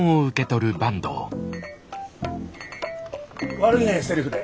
悪いねセルフで。